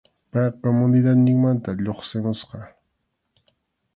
Payqa comunidadninmanta lluqsimusqa.